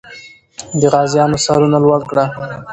د غازیانو سرونه لوړ کړه.